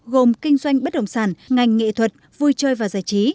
gồm kinh doanh bất động sản ngành nghệ thuật vui chơi và giải trí